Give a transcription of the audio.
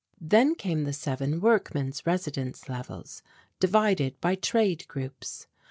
Then came the seven workmen's residence levels, divided by trade groups.